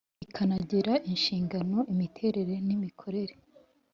Rikanagena inshingano imiterere n imikorere